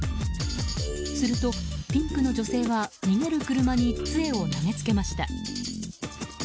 すると、ピンクの女性は逃げる車につえを投げつけました。